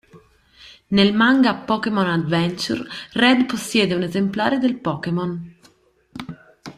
Nel manga Pokémon Adventures Red possiede un esemplare del Pokémon.